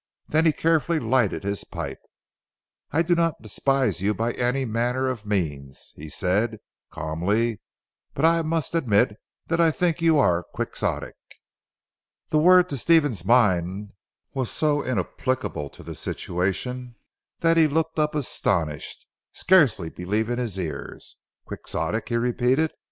Then he carefully lighted his pipe. "I do not despise you by any manner of means," he said calmly, "but I must admit that I think you are quixotic." The word to Stephen's mind was so inapplicable to the situation that he looked up astonished, scarcely believing his ears. "Quixotic!" he repeated.